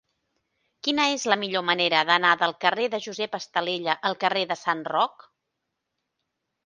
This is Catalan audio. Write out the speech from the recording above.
Quina és la millor manera d'anar del carrer de Josep Estalella al carrer de Sant Roc?